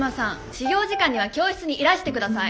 始業時間には教室にいらしてください。